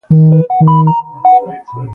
د الټراسونډ ټکنالوژۍ غږونه ثبتوي.